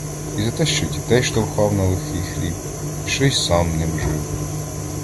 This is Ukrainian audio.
І за те, що дітей штовхав на легкий хліб, що й сам ним жив.